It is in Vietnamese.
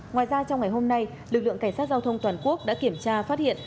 ngoài ra trong ngày hôm nay lực lượng cảnh sát giao thông toàn quốc đã kiểm tra phát hiện